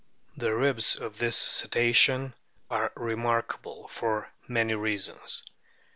The ribs of this Cetacean are remarkable for many reasons.